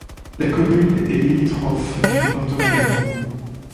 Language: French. La commune est limitrophe du département des Landes.